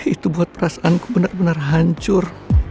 itu buat perasaanku bener bener hancur